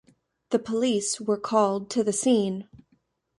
The police were called to the scene.